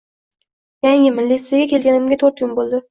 Yangiman. Litseyga kelganimga toʻrt kun boʻldi.